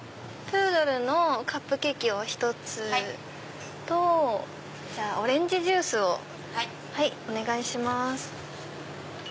プードルのカップケーキを１つとオレンジジュースをお願いします。